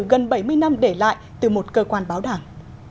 gần bảy mươi năm để lại từ một cơ quan báo đảng